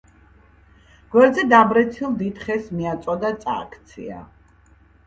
გვერდზე გადაბრეცილ დიდ ხეს მიაწვა და წააქცია.